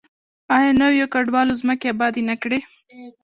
آیا نویو کډوالو ځمکې ابادې نه کړې؟